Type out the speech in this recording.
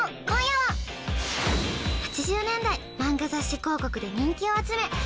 今夜は８０年代漫画雑誌広告で人気を集め